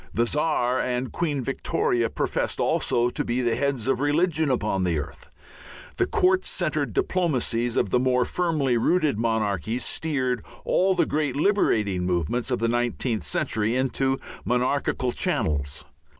The Czar and Queen Victoria professed also to be the heads of religion upon earth. The court centered diplomacies of the more firmly rooted monarchies steered all the great liberating movements of the nineteenth century into monarchical channels.